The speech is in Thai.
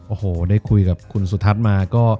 โอ้โหได้คุยกับคุณสุธัฐมา